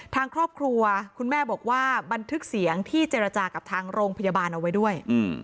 ทางครอบครัวคุณแม่บอกว่าบันทึกเสียงที่เจรจากับทางโรงพยาบาลเอาไว้ด้วย